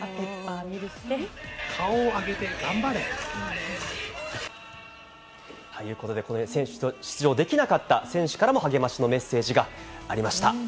顔を上げて頑張れ。ということで、選手、出場できなかった選手からも励ましのメッセージがありました。